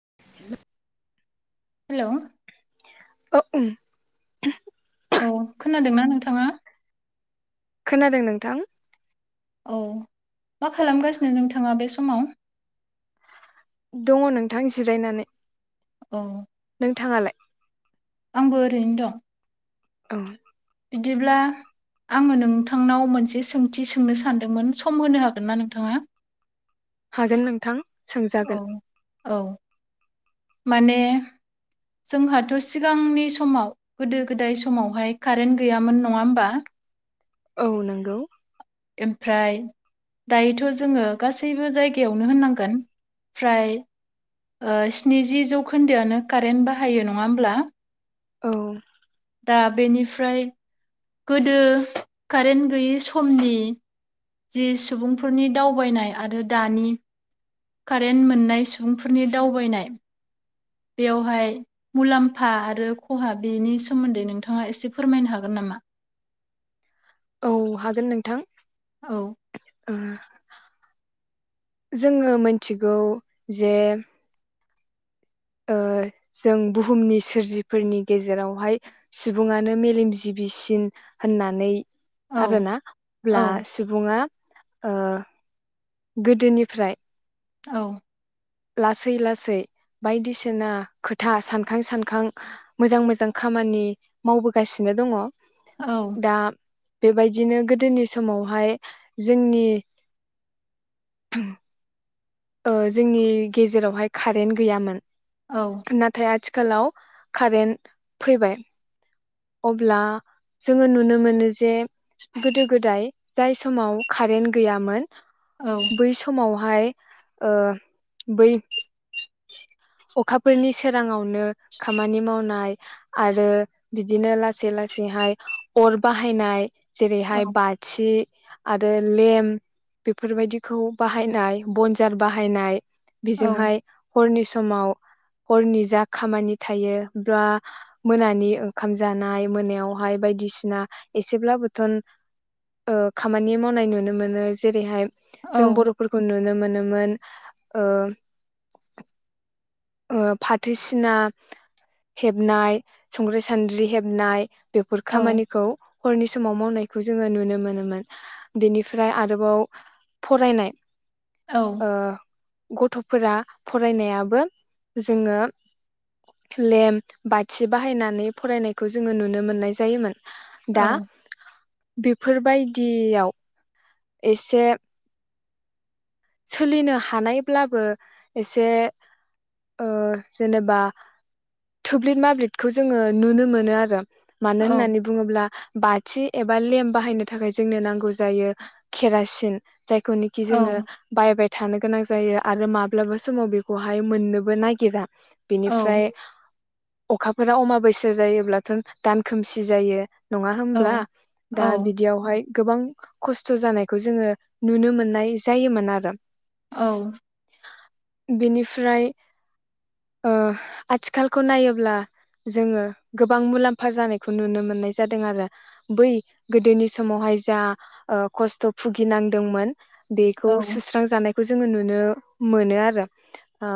[unintelligible] हेल' ओम औ खोनादोंना नोंथाङा खोनादों नोंथां औ मा खालामगासिनो नोंथाङा बे समाव दङ नोंथां जिरायनानै ओ नोंथाङालाय आंबो ओरैनो दं औ बिदिब्ला आङो नोंथांनाव मोनसे सोंथि सोंनो सानदोंमोन सम होनो हागोन ना नोंथाङा? हागोन नोंथां औ सोंजागोन औ माने जोंहाथ सिगांनि समाव गोदो-गोदाय समावहाय कारेन्ट गैयामोन नङा होमबा औ नोंगौ ओमफ्राय दायोथ जोङो गासैबो जायगायावनो होननांगोन फ्राय ओ स्निजि जौखोन्दोआनो कारेन्ट बाहायो नङा होमब्ला औ दा बेनिफ्राय गोदो कारेन्ट गैयै समनि जि सुबुंफोरनि दावबायनाय आरो दानि कारेन्ट मोननाय सुबुंफोरनि दावबायनाय बेवहाय मुलाम्फा आरो खहा बेनि सोमोन्दै नोंथाङा एसे फोरमायनो हागोन नामा? औ हागोन नोंथां औ ओ जोङो मिथिगौ जे ओ जों बुहुमनि सोरजिफोरनि गेजेरावहाय सुबुङानो मेलेमजिबिसिन होननानै औ आरोना अब्ला औ सुबुङा ओ गोदोनिफ्राय औ लासै लासै बायदिसिना खोथा सानखां सानखां मोजां मोजां खामानि मावबोगासिनो दङ औ दा बेबायदिनो गोदोनि समावहाय जोंनि ओ जोंनि गेजेरावहाय कारेन्ट गैयामोन औ नाथाय आथि खालाव कारेन्ट फैबाय अब्ला जोङो नुनो मोनो जे गोदो गोदाय जाय समाव कारेन्ट गैयामोन औ बै समाव हाय ओ बै अखाफोरनि सोरांङावनो खामानि मावनाय आरो बिदिनो लासै लासैहाय अर बाहायनाय। औ जेरैहाय बाथि आरो लेमप बेफोरबायदिखौ बाहायनाय बनजार बाहायनाय औ बिजोंहाय हरनि स समाव हरनि जा खामानि थायो बा मोनानि ओंखाम जानाय मोनायावहाय बायदिसिना एसेब्लाबोथ ओ खामानि मावनाय नुनो मोनो जेरैहाय औ जों बर'फोरखौ नुनो मोन मोनोमोन ओ ओ फाथो सिना हेबनाय संग्रि सान्द्रि हेबनाय बेफोर खामानिखौ हरनि समाव मावनायखौ जोङो नुनो मोनोमोन बेनिफ्राय आरोबाव फरायनाय औ ओ गथ'फोरा फरायनायाबो जोङो लेम्प बाथि बाहायनानै फरायनायखौ जोङो नुनो मोननाय जायोमोन। दा बेफोरबायदियाव एसे सोलिनो हानायब्लाबो एसे ओ जेनेबा थोब्लिद माब्लिदखौ जोङो नुनो मोनो आरो। मानो औ होननानै बुङोब्ला बाथि एबा लेम्प बाहायनो थाखाय जोंनो नांगौ जायो केरासिन। जायखौनोखि औ जोङो बायबाय थानो गोनां जायो आरो माब्लाबा समाव बेखौहाय मोननोबो नागिरा ‌। औ बिनिफ्राय अखाफोरा अमा बैसा जायोब्लाथ' दान खोमसि जायो। नङा औ होमब्ला औ दा बिदियावहाय गोबां खस्थ' जानायखौ जोङो नुनो मोननाय जायोमोन आरो। [unintelligible] औ। बेनिफ्राय ओ आथिखालखौ नायोब्ला जोङो गोबां मुलाम्फा जानायखौ नुनो मोननाय जादों आरो बै गोदोनि समावहाय जा ओ खस्थ' भुगिनांदोंमोन। बेखौ [unintelligible] जानायखौ जोंङो मोनो आरो। ओ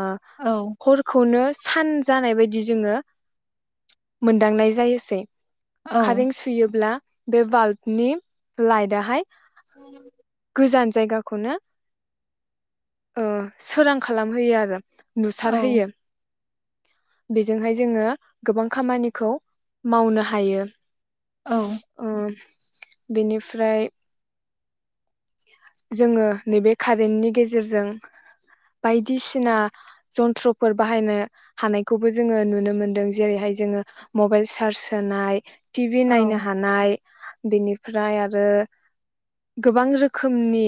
औ हरखौनो सान जानाय बायदि जोङो मोनदांनाय जायोसै। खारें सुयोब्ला बे बाल्बनि लाइट आहाय गोजान जायगाखौनो ओ सोरां खालामहोयो आरो। नुसारहोयो। बेजोंहाय जोङो गोबां खामानिखौ मावनो हायो। अ। बेनिफ्राय जोङो नैबे कारेन्टनि गेजेरजों बायदिसिना जन्थ्रफोर बाहायनो हानायखौबो जोङो नुनो मोनदों जेरैहाय जोङो मबाइल चार्ज होनाय टि भि औ नायनो हानाय बेनिफ्राय आरो गोबां रोखो रोखोमनि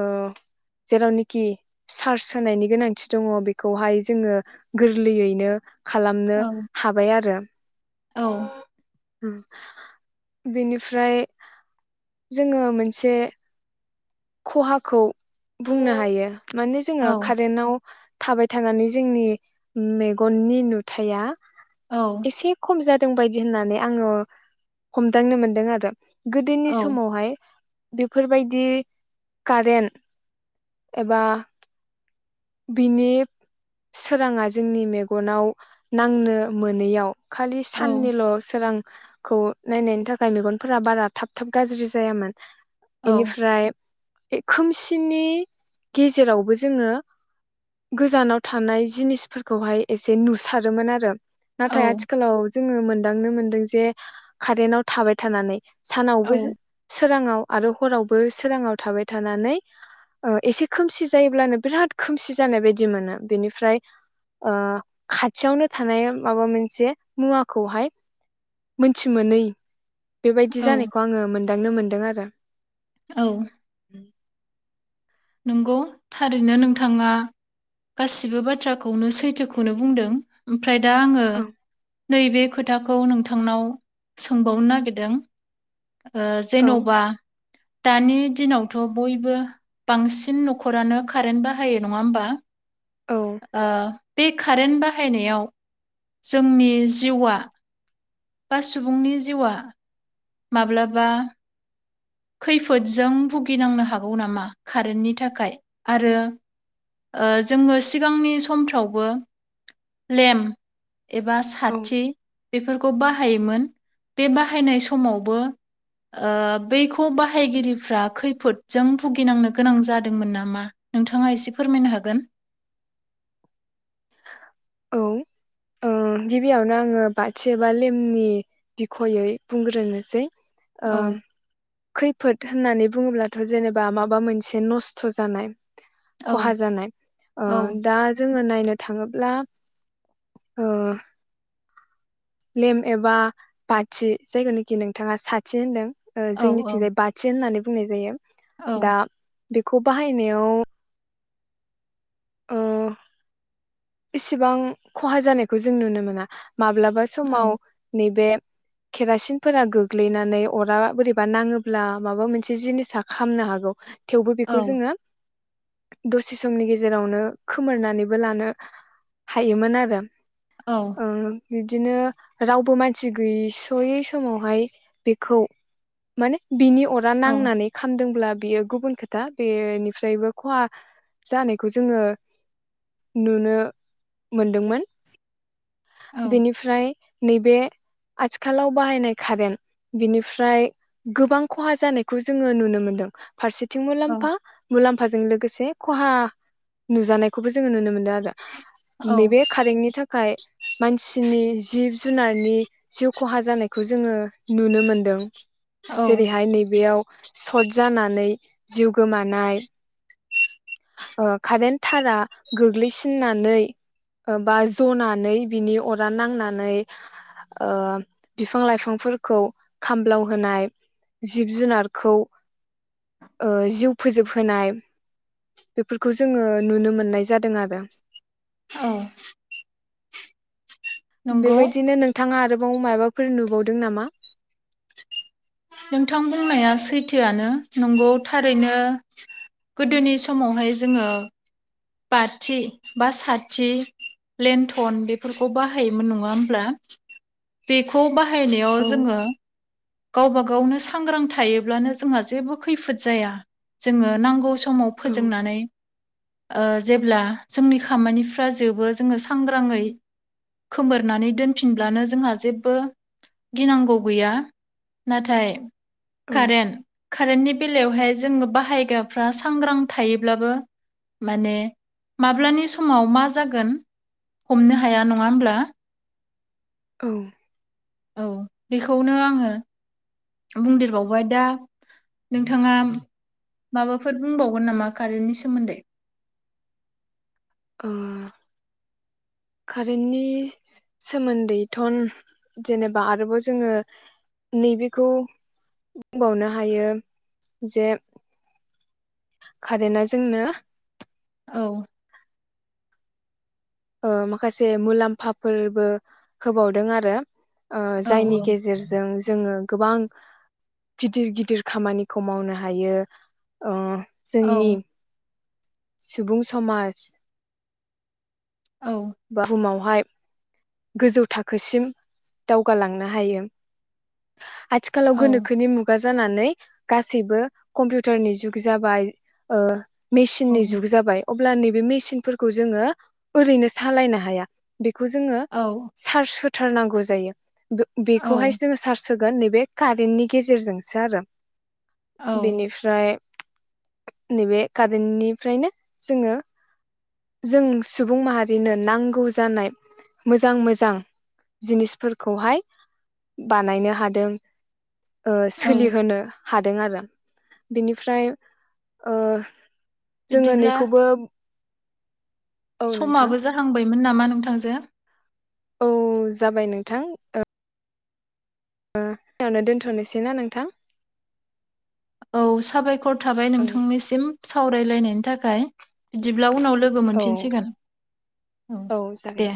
ओ जेरावनेखि सार्च होनायनि गोनांथि दङ बेखौहाय जोङो गोरलैयैनो खालामनो हाबाय आरो। औ [inaudible] उम बेनिफ्राय जोङो मोनसे खहाखौ औ बुंनो हायो माने जोङो औ कारेन्टाव थाबाय थानानै जोंनि मेग'ननि नुथाया औ एसे खम जा दोंबादि होननानै आङो हमदांनो मोनदों आरो। औ गोदोनि समावहाय बेफोरबायदि कारेन्ट एबा बिनि सोराङा जोंनि मेग'नाव नांनो मोनैयाव खालि साननिल' सोरां। खौ नायनायनि थाखाय मेग'नफोरा बारा थाब थाब गाज्रि जायामोन। औ बेनिफ्राय खोमसिनि गेजेरावबो जोङो गोजानाव थानाय जिनिसफोरखौहाय एसे नुसारोमोन आरो। नाथाय औ आथिखालाव जोङो मोनदांनो मोनदों जे कारेन्टाव थाबाय थानानै सानावबो सोराङाव आरो हरावबो सोराङाव थाबाय थानानै ओ एसे खोमसि जायोब्लानो बिराद खोमसि जानाय बायदि मोनो बेनिफ्राय ओ खाथियावनो थानाय माबा मोनसे मुवाखौहाय मोनथि मोनै बेबायदि औ जानायखौ आङो मोन हमदांनो मोन्दों आरो। औ। नोंगौ थारैनो नोंथाङा गासिबो बाथ्राखौनो सैथोखौनो बुंदों। ओमफ्राय दा आङो औ नैबे खोथाखौ नोंथांनाव सोंबावनो नागिरदों। ओ औ जेन'बा दानि दिनावथ' बयबो बांसिन न'खरानो कारेन्ट बाहायो नङा होमबा। औ ओ बे कारेन्ट बाहायनायाव जोंनि जिउआ बा सुबुंनि जिउआ माब्लाबा खैफोदजों भुगिनांनो हागौ नामा कारेन्टनि थाखाय आरो ओ जोङो सिगांनि समफ्रावबो लेम्प एबा औ साथि बेफोर खौ बाहखयोमोन बे बाहायनाय समावबो ओ बै खौ बाहायगिरिफ्रा खैफोदजों भुगिनांनो गोनां जादोंमोन नामा? नोंथाङा एसे फोरमायनो हागोन? औ। ओ गिबियावनो आङो बाथि बा लेमनि बिखयै बुंग्रोनोसै। ओ औ खैफोद होननानै बुङोब्लाथ' जेनेबा माबा मोनसे नस्थ' जानाय औ खहा जानाय ओ औ दा जों नायनो थाङोब्ला ओ लेम एबा बाथि जायखौनाखि नोंथाङा साथि होनदों। ओ औ जोंनिथिंजाय बाथि होननानै बुंनाय जायो। औ। दा बेखौ बाहायनायाव ओ इसेबां खहा जानायखौ जों नुनो मोना माब्लाबा समाव नैबे केरासिनफोरा गोग्लैनानै अरा बोरैबा नाङोब्ला माबा मोनसे जिनिसा खामनो हागौ। थेवबो औ बेखौ जोङो दसे समनि गेजेरावनो खोमोरनानैबो लानो हायोमोन आरो। औ ओ बिदिनो रावबो मानसि गैयै स'यै समावहाय बेखौ माने बिनि अरा औ नांनानै खामदोंब्ला बेयो गुबुन खोथा बेनिफ्रायबो खहा जानायखौ जोङो नुनो मोनदोंमोन औ बेनिफ्राय नैबे आथिखालाव बाहायनाय कारेन्ट बेनिफ्राय गोबां खहा जानायखौ जोङो नुनो मोनदों। फारसेथिं मुलाम्फा मुला म्फाजों लोगोसे खहा नुजानाय। खौबो जोङो नुनो मोनदों आरो। औ नैबे खारेंटनि थाखाय मानसिनि जिब जुनारनि कहा जानायखौ जों नुनो मोनदों। औ जेरैहाय नै बेयाव सट जानानै जिउ गोमानाय ओ कारेन्ट थारा गोग्लैसिननानै बा जनानै बिनि अरा नांनानै ओ बिफां लाइफांफोरखौ खामब्लावहोनाय जिब जुनारखौ ओ जिउ फोजोबहोनाय बेफोरखौ जोंङो नुनो मोननाय जादों आरो औ बे नंगौ बायदिनो नोंथांङा आरो बाव माफोर नुबावदों नामा? नोंथां बुंनाया सैथोआनो नंगौ थारैनो गोदोनि समावहाय जोंङो बाथि बा साथि लेन्थन बेफोरखौ बाहायोमोन नंङा होमब्ला बेखौ बाहाय बाहायनायाव औ जोंङो गावबा गावनो सांग्रां थायोब्लानो जोंहा जेबो खैफोद जाया जोंङो नांगौ सम समाव औ फोजोंनानै ओ जेब्ला जोंनि खामानिफ्रा जेबो जोंङो सांग्राङै खोमोरनानै दोनफिनब्लानो जोंहा जेबो गिनांगौ गैया नाथाय औ कारेन्ट कारेन्टनि बेलायावहाय जोंङो बाहायग्राफ्रा सांग्रां थायोब्लाबो माने माब्लानि समाव मा जागोन हमनो हाया नंङा होमब्ला औ औ बेखौनो आंङो बुंदेरबावबाय दा नोंथांङा माबाफोर बुंबावगोन नामा कारेन्टनि सोमोन्दै ओ कारेन्टनि सोमोन्दै थन जेनेबा आरोबाव जोंङो नैबेखौ बुंबावनो हायो जे कारेन्टआ जोंनो औ ओ माखासे मुलाम्फाफोरबो होबावदों आरो ओ औ जायनि गेजेरजों जोंङो गोबां गिदिर गिदिर खामानिखौ मावनो हायो ओ औ जोंनि सुबुं समाज औ बुहुमावहाय गोजौ थाखोसिम दावगालांनो हायो आथिखालाव औ गोनोखोनि मुगा जानानै गासैबो कम्पिउटारनि जुग जाबाय ओ औ मेसिननि जुग जाबाय अ ब्ला नै बे मेसिन फोरखौ जोंङो ओरैनो सालायनो हाया बेखौ जोङों चारस हो होथारनांगौ जायो बो औ बेखौहाय जों सार्च होगोन नैबे कारेन्टनि गेजेरजोंसो आरो। औ बेनिफ्राय नैबे कार्देननिफ्रायनो जोङो जों सुबुं माहारि बिनो नांगौ जानाय मोजां मोजां जिनिसफोरखौहाय बानायनो हादों। औ सोलिहोनो हादों आरो बिनिफ्राय जोङो बिदिब्ला नैखौबो औ नोंथां समाबो जाहांबायमोन नामा नोंथांजो? औ जाबाय नोंथां ओ बा खिनियावनो दोन्थ'नोसैना नोंथां? औ साबायखर थाबाय ओं नोंथांनिसिम। सावराय लायनायनि थाखाय बिदिब्ला उनाव लोगो औ मोनफिनसिगोन औ दे।